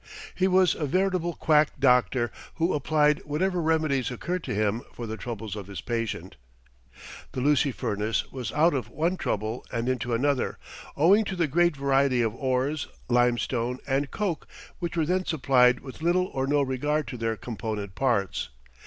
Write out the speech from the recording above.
He was a veritable quack doctor who applied whatever remedies occurred to him for the troubles of his patient. The Lucy Furnace was out of one trouble and into another, owing to the great variety of ores, limestone, and coke which were then supplied with little or no regard to their component parts.